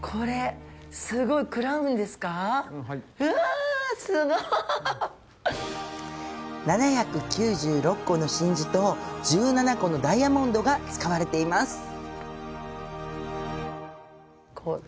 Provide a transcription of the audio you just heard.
すごい！７９６個の真珠と１７個のダイヤモンドが使われています。